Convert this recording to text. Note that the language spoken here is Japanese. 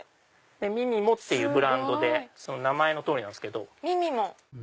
ｍｉｍｉｍｏっていうブランドで名前の通りなんですけど。